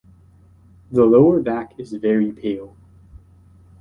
The lower back is very pale.